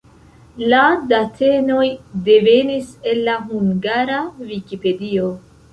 La datenoj devenis el la Hungara Vikipedio.